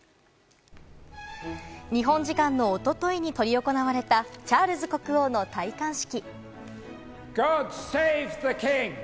日本時間の一昨日に執り行われたチャールズ国王の戴冠式。